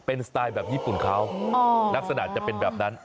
เป็นสไตล์แบบญี่ปุ่นเขาลักษณะจะเป็นแบบนั้น